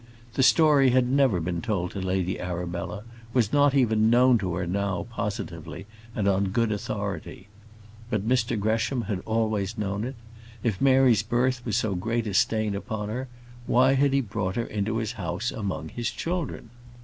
The story had never been told to Lady Arabella; was not even known to her now, positively, and on good authority. But Mr Gresham had always known it. If Mary's birth was so great a stain upon her, why had he brought her into his house among his children?